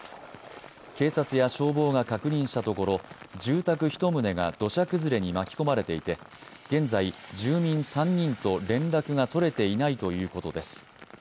警察や消防が確認したところ、住宅１棟が土砂崩れに巻き込まれていて現在、住民３人と連絡がとれていないということです。